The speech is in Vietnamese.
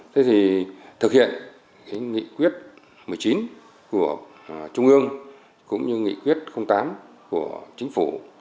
thế thì thực hiện cái nghị quyết một mươi chín của trung ương cũng như nghị quyết tám của chính phủ